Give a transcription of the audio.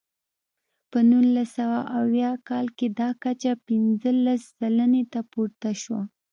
په نولس سوه اویا کال کې دا کچه پنځلس سلنې ته پورته شوه.